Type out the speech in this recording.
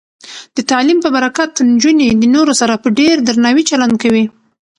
د تعلیم په برکت، نجونې د نورو سره په ډیر درناوي چلند کوي.